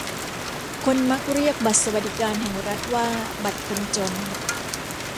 คนมักเรียกบัตรสวัสดิการแห่งรัฐว่าบัตรคนจน